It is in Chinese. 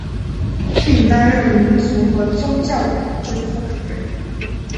并担任民族和宗教委员会副主任。